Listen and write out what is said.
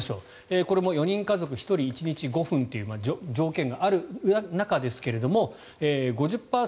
これも４人家族１人１日５分という条件がある中ですが５０％